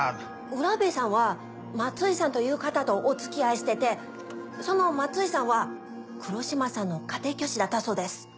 浦辺さんは松井さんという方とお付き合いしててその松井さんは黒島さんの家庭教師だったそうです。